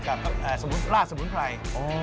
อ๋อเอาไปทอดแล้วก็ลาดสมุนไพร